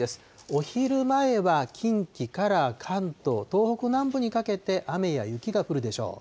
お昼前は近畿から関東、東北南部にかけて雨や雪が降るでしょう。